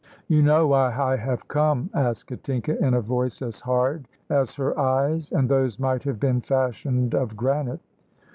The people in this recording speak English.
"You know why I have come?" asked Katinka, in a voice as hard as her eyes, and those might have been fashioned of granite.